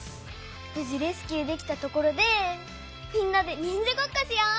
ぶじレスキューできたところでみんなでにんじゃごっこしよ！